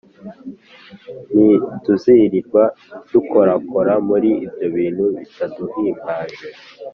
ntituzirirwa dukorakora muri ibyo bintu bitaduhimbaje